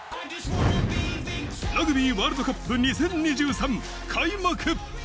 ラグビーワールドカップ２０２３開幕！